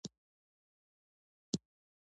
بابا پخپله یو ځای د خپل شعر په اړه وايي.